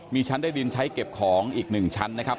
มีชั้นได้ดินใช้เก็บของอีก๑ชั้นนะครับ